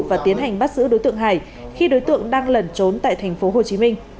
và tiến hành bắt giữ đối tượng hải khi đối tượng đang lẩn trốn tại tp hcm